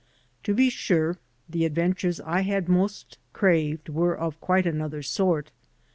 To be sure, the adventures I had most craved were of quite another sort.